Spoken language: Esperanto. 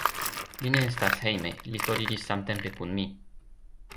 Li ne estas hejme; li foriris samtempe kun mi.